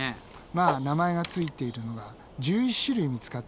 まあ名前がついているのが１１種類見つかってるね。